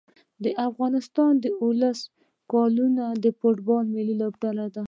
د افغانستان د اولس کلونو د فوټبال ملي لوبډله